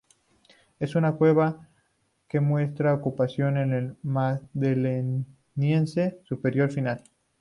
Es una cueva que muestra ocupación en el Magdaleniense Superior-Final.